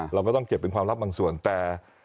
เราก็ต้องเก็บเป็นความลับบางส่วนแต่